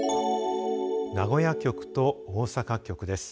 名古屋局と大阪局です。